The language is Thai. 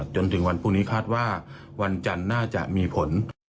จนถึงวันพรุ่งนี้คาดว่าวันจันทร์น่าจะมีผล